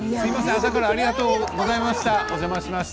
朝からありがとうございました。